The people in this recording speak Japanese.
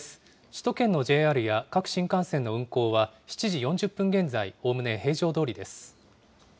首都圏のＪＲや各新幹線の運行は７時４０分現在、おおむね平常どおりです。